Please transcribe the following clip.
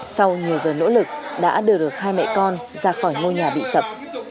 sau nhiều giờ nỗ lực đã đưa được hai mẹ con ra khỏi ngôi nhà bị sập